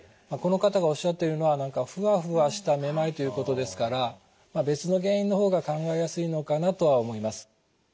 この方がおっしゃってるのは何かフワフワしためまいということですから別の原因の方が考えやすいのかなとは思います。